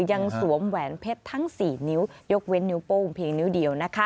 สวมแหวนเพชรทั้ง๔นิ้วยกเว้นนิ้วโป้งเพียงนิ้วเดียวนะคะ